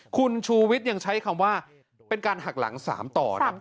คุณชูวิทย์ยังใช้คำว่าเป็นการหักหลัง๓ต่อครับ